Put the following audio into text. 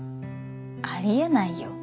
ありえないよ。